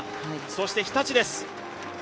そして日立です。